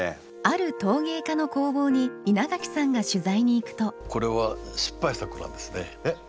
ある陶芸家の工房に稲垣さんが取材に行くとこれは失敗作なんですね。えっ？